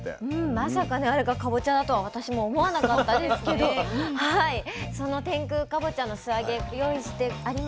まさかねあれがかぼちゃだとは私も思わなかったんですけどその天空かぼちゃの素揚げ用意してあります。